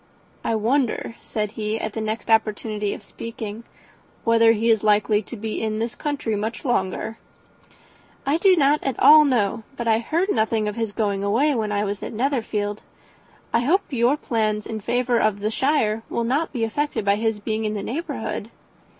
"I wonder," said he, at the next opportunity of speaking, "whether he is likely to be in this country much longer." "I do not at all know; but I heard nothing of his going away when I was at Netherfield. I hope your plans in favour of the shire will not be affected by his being in the neighbourhood."